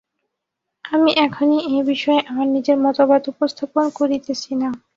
আমি এখনই এ-বিষয়ে আমার নিজের মতবাদ উপস্থাপন করিতেছি না।